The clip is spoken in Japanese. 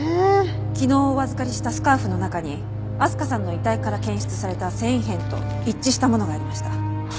昨日お預かりしたスカーフの中に明日香さんの遺体から検出された繊維片と一致したものがありました。